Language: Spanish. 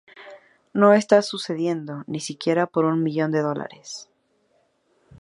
No está sucediendo, ni siquiera por un millón de dólares"".